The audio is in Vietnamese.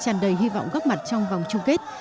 tràn đầy hy vọng góp mặt trong vòng chung kết